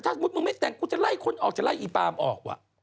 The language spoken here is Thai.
ถ้าแม่งไม่แต่งกูจะไล่คนออกจะไล่ปาล์มออกวะ